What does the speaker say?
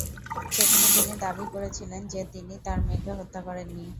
সেখানে তিনি দাবি করেছিলেন যে তিনি তার মেয়েকে হত্যা করেননি।